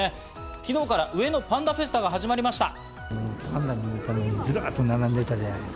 昨日から、うえのパンダフェスタが始まりました。